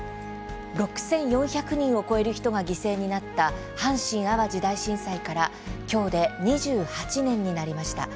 ６４００人を超える人が犠牲になった阪神・淡路大震災から今日で２８年になりました。